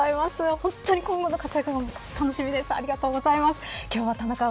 本当に今後の活躍も楽しみです。